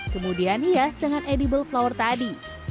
kemudian hias dengan edible flower tadi